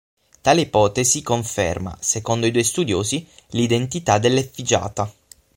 Tale ipotesi conferma, secondo i due studiosi, l'identità dell'effigiata.